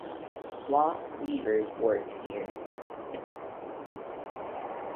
Cloth weavers worked here.